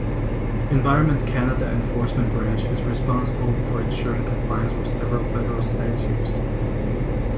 Environment Canada Enforcement Branch is responsible for ensuring compliance with several federal statues.